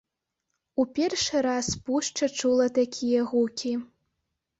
У першы раз пушча чула такія гукі.